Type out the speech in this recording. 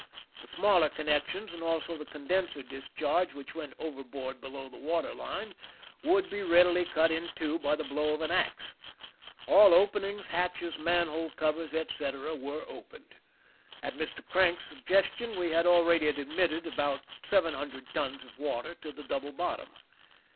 The smaller connections and also the condenser discharge, which went overboard below the water line, would be leadily cut in two by the blow of an ax. All openings, hatches, manhole covers, etc., were opened. At Mr. Crank's suggestion we had already admitted about seven hundred tons of water to the double bottom.